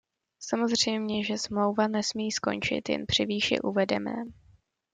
Samozřejmě že, smlouva nesmí skončit jen při výše uvedeném.